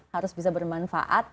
harus bisa bermanfaat